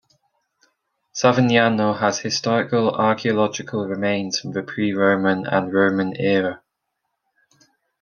Savignano has historical archaeological remains from the pre-Roman and Roman era.